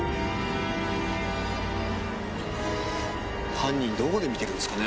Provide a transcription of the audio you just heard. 犯人どこで見てるんですかね？